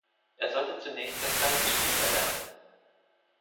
Er sollte zunächst das Geigenspiel erlernen.